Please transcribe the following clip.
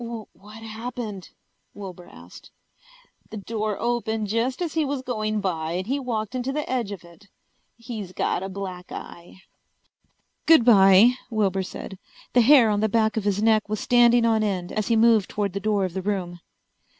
"What happened?" Wilbur asked. "The door opened just as he was going by and he walked into the edge of it. He's got a black eye." "Good bye," Wilbur said. The hair on the back of his neck was standing on end as he moved toward the door of the room.